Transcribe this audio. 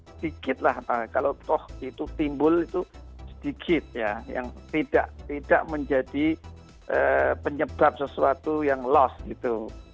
sedikit lah kalau toh itu timbul itu sedikit ya yang tidak menjadi penyebab sesuatu yang loss gitu